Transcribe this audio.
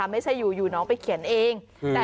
ไม่ใช่อยู่น้องไปเขียนเอง